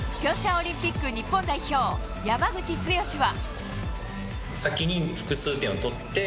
オリンピック日本代表・山口剛史は。